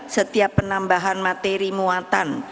setiap penambahan materi muatan